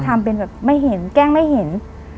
ทำเป็นแบบแกล้งไม่เห็น